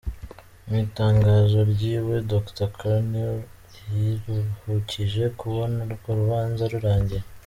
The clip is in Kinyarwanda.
Mw'itangazo ryiwe Dr Carneiro yiruhukije kubona urwo rubanza rurangiye.